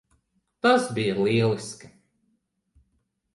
Tas bija lieliski.